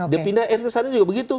dia pindah rt sana juga begitu